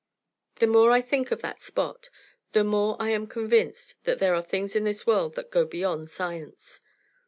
The more I think of that Spot, the more I am convinced that there are things in this world that go beyond science.